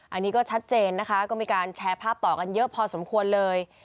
อันนี้ก็ชัดเจนนะคะก็มีการแชร์ภาพต่อกันเยอะพอสมควรเลย